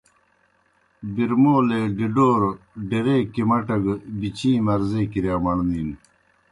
برمولے ڈِڈَوروْ ڈیرے کِمٹہ گہ بِچِیں مرضے کِرِیا مڑنینوْ۔